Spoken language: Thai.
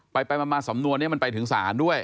ไปมาสำนวนนี้มันไปถึงศาลด้วย